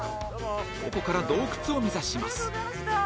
ここから洞窟を目指します